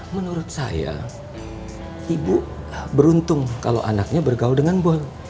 menurut saya ibu beruntung kalau anaknya bergaul dengan bom